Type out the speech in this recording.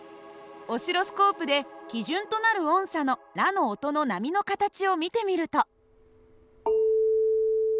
オシロスコープで基準となるおんさのラの音の波の形を見てみると。